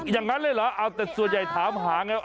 อย่างนั้นเลยเหรอเอาแต่ส่วนใหญ่ถามหาไง